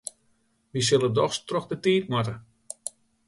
Wy sille dochs troch de tiid moatte.